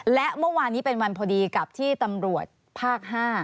และเมื่อวานนี้เป็นวันพอดีกับที่ตำรวจภาค๕